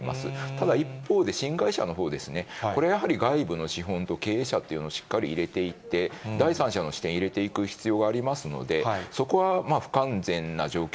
ただ、一方で新会社のほうですね、これはやはり、外部の資本と経営者っていうのをしっかり入れていって、第三者の視点入れていく必要がありますので、そこは不完全な状況